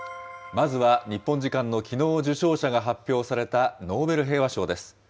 まずは、日本時間のきのう受賞者が発表されたノーベル平和賞です。